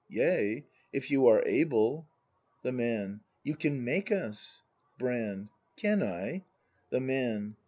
Yea, If you are able. The Man. You can make us! Brand. Can I? The Man.